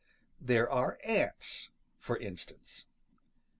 There are ants, for instance.